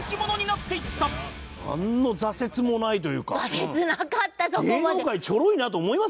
なんの挫折もないというか。